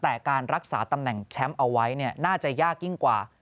แต่การรักษาตำแหน่งแชมป์เอาไว้น่าจะยากยิ่งกว่า